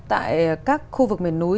tại các khu vực mềm núi